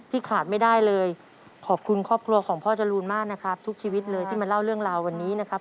ทุกชีวิตเลยที่มาเล่าเรื่องราววันนี้นะครับ